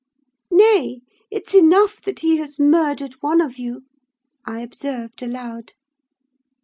"'Nay, it's enough that he has murdered one of you,' I observed aloud.